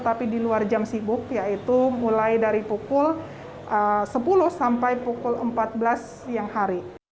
tapi di luar jam sibuk yaitu mulai dari pukul sepuluh sampai pukul empat belas siang hari